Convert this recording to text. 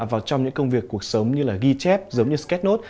vào trong những công việc cuộc sống như là ghi chép giống như scanos